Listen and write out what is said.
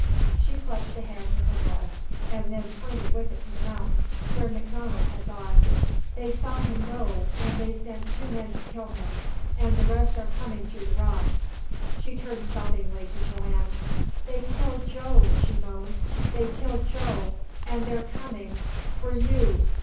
She clutched a hand to her breast, and then pointed with it to the mountain where MacDonald had gone. "They saw him go and they sent two men to kill him; and the rest are coming through the rocks!" She turned sobbingly to Joanne. "They killed Joe," she moaned. "They killed Joe, and they're coming for _you!